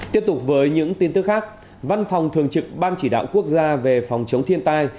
tiếp tục với những tin tức khác văn phòng thường trực ban chỉ đạo quốc gia về phòng chống thiên tai